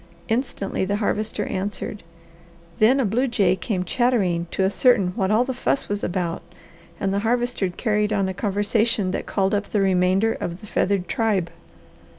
Instantly the Harvester answered. Then a blue jay came chattering to ascertain what all the fuss was about, and the Harvester carried on a conversation that called up the remainder of the feathered tribe.